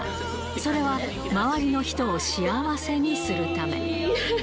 それは、周りの人を幸せにするため。